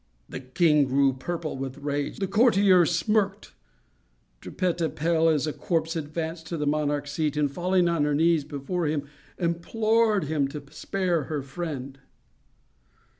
The king grew purple with rage. The courtiers smirked. Trippetta, pale as a corpse, advanced to the monarch's seat, and, falling on her knees before him, implored him to spare her friend.